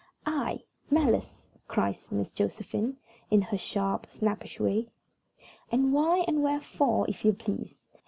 "I! Malice!" cries Miss Josephine, in her hard, sharp, snappish way. "And why, and wherefore, if you please?